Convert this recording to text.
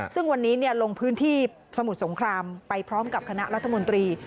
ซึ่งวันนี้ลงพื้นที่สมุทรสงครามไปพร้อมกับคณะรัฐมนตรี